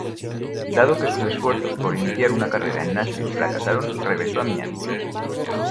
Dado que sus esfuerzos por iniciar una carrera en Nashville fracasaron, regresó a Miami.